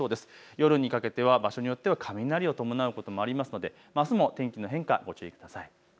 夜にかけては場所によっては雷が伴うこともあるのであすも天気の変化にはご注意ください。